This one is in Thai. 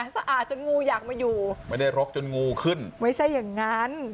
สะอาดจนงูอยากมาอยู่ไม่ได้รกจนงูขึ้นไม่ใช่อย่างนั้น